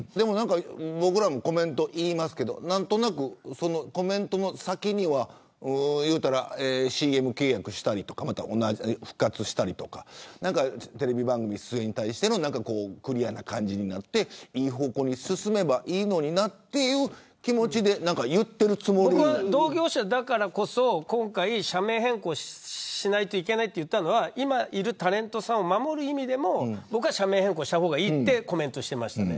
僕らもコメント言いますけど何となくコメントの先にはＣＭ契約したりとか復活したりとかテレビ番組出演に対してクリアな感じになっていい方向に進めばいいのになという気持ちで同業者だからこそ社名変更しないといけないと言ったのは今いるタレントさんを守る意味でも僕は社名変更をした方がいいとコメントしてました。